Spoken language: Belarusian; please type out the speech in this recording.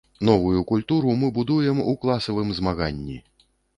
Новую культуру мы будуем у класавым змаганні.